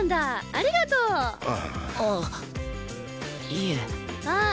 ありがとうあいえあっ